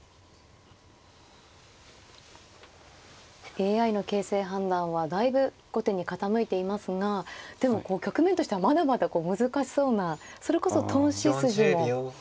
ＡＩの形勢判断はだいぶ後手に傾いていますがでも局面としてはまだまだこう難しそうなそれこそ頓死筋もありそうな。